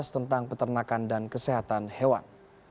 tentang peternakan dan kesehatan hewan